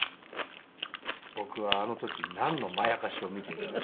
僕はあの時なんのまやかしを見ていたんだ。